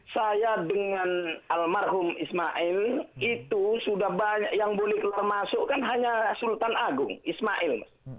saya dengan almarhum ismail itu sudah banyak yang boleh keluar masuk kan hanya sultan agung ismail